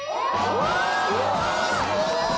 うわ！